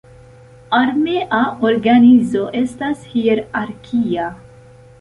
Armea organizo estas hierarkia.